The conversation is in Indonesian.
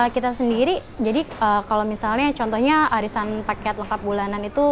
kita sendiri jadi kalau misalnya contohnya arisan paket lengkap bulanan itu